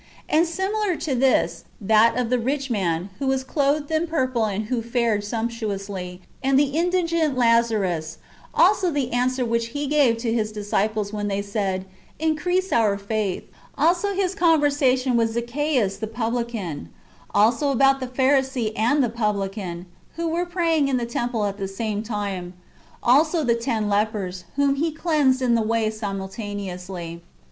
"^ and similar to this, that of the rich man, who was clothed in purple and who fared sumptuously, and the indigent Lazarus ;^ also the answer which He gave to His disciples when they said, " Li crease our faith ;"'^ also His conversation with Zaccheus the publican;^ also about the Pharisee and the publican, who were praying in the temple at the same time ;^*^ also the ten lepers, whom He cleansed in the way simultaneously ;^^ also 1 Luke vi.